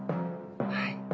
はい。